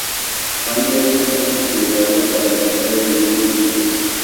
Randy Orton fue considerado para el papel de Joe Linwood.